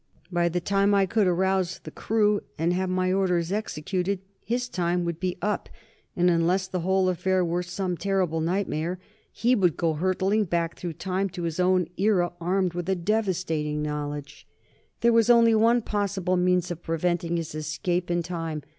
By the time I could arouse the crew, and have my orders executed, his time would be up, and unless the whole affair were some terrible nightmare he would go hurtling back through time to his own era, armed with a devastating knowledge. There was only one possible means of preventing his escape in time.